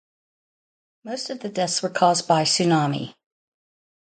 Most of the deaths were caused by tsunami.